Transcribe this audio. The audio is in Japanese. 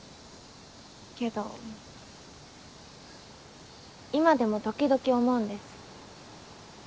けど今でも時々思うんです。